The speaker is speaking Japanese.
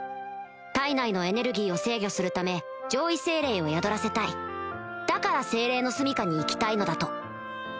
体内のエネルギーを制御するため上位精霊を宿らせたいだから精霊の棲家に行きたいのだと